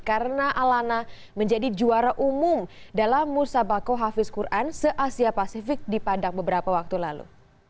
karena alana menjadi juara umum dalam musabako hafiz quran se asia pasifik di padang beberapa waktu lalu